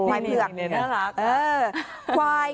ควายเขาอุ่มบาด